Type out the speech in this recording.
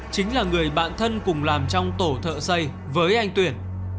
chính là người bạn thân cùng làm trong tổ thợ xây với anh tuyển